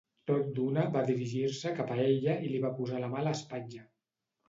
Tot d'una va dirigir-se cap a ella i li va posar la mà a l'espatlla.